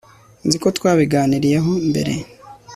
nzi ko twabiganiriyeho mbere